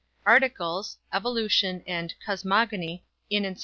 Articles, "Evolution" and "Cosmogony," in _Ency.